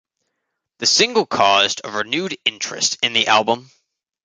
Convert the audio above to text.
The single caused a renewed interest in the album.